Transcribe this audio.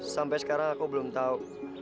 sampai sekarang aku belum tahu